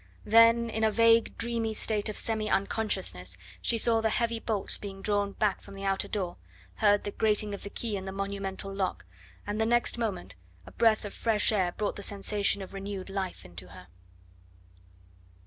Then in a vague, dreamy state of semi unconsciousness she saw the heavy bolts being drawn back from the outer door, heard the grating of the key in the monumental lock, and the next moment a breath of fresh air brought the sensation of renewed life into her.